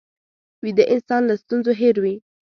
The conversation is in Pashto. ویده انسان له ستونزو هېر وي